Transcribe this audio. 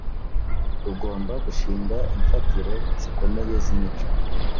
rugomba gushinga imfatiro zikomeye z’imico.